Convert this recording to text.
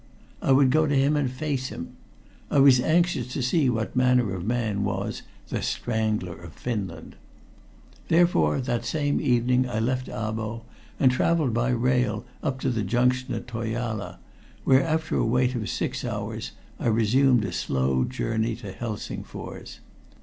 I would go to him and face him. I was anxious to see what manner of man was "The Strangler of Finland." Therefore, that same evening I left Abo, and traveled by rail up to the junction Toijala, whence, after a wait of six hours, I resumed by slow journey to Helsingfors.